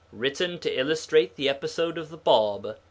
Written to illustrate the Episode of the Bāb.